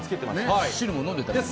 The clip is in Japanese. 汁も飲んでた。